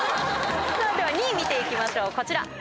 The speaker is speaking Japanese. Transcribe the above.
では２位見て行きましょうこちら。